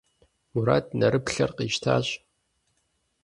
Мурат нэрыплъэр къищтащ.